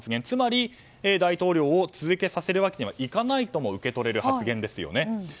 つまり、大統領を続けさせるわけにはいかないとも受け取れる発言ですね。